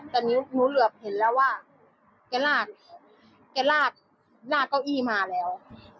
ตอนนี้หนูเหลือเห็นแล้วว่าแกลากเก้าอี้มาแล้ว